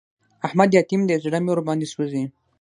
احمد يتيم دی؛ زړه مې ور باندې سوځي.